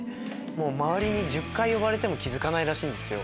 周りに１０回呼ばれても気付かないらしいんですよ。